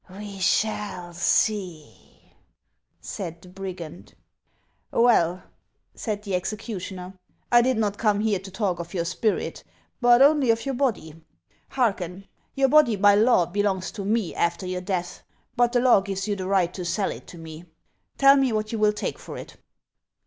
''" We shall see," said the brigand. " Well," said the executioner, " I did not come here to talk of your spirit, but only of your body. Hearken ! your body by law belongs to me after your death ; but the law gives you the right to sell it to me. Tell me what you will take for it